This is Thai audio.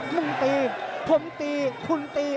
คุณตีผมตีคุณตี